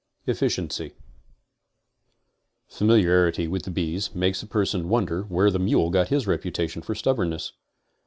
EFFICIENCY Familiarity with the bees makes a person wonder where the mule got his reputation for stubborness.